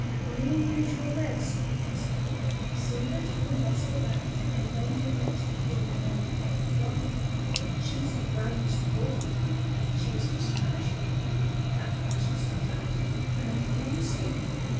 "Only use your legs," she said. "See that you can bustle about, and bend your necks before the old Duck yonder. She's the grandest of all here; she's of Spanish blood that's why she's so fat; and do you see?